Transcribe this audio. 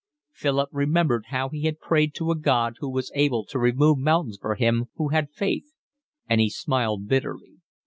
Philip remembered how he had prayed to a God who was able to remove mountains for him who had faith, and he smiled bitterly.